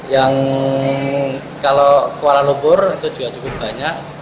yang kalau kuala lumpur itu juga cukup banyak